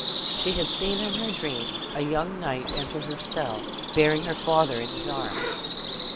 She had seen in her dream a young knight enter her cell, bearing her father in his arms.